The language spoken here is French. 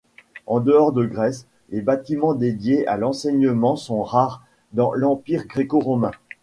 En dehors de Grèce, les bâtiments dédiés à l'enseignement sont rares dans l'Empire gréco-romain.